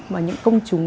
mà những công chúng